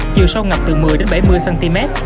chiều sâu ngập từ một mươi bảy mươi cm